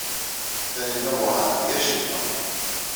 Taninna werɛad tgi acemma.